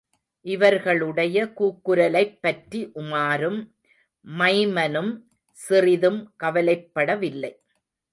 இவர்களுடைய கூக்குரலைப்பற்றி உமாரும் மைமனும் சிறிதும் கவலைப்படவில்லை.